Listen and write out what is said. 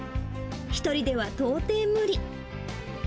１人では到底無理。